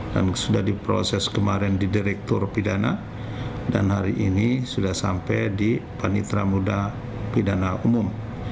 sudah diproses kemarin di direktur pidana dan hari ini sudah sampai di panitra muda pidana umum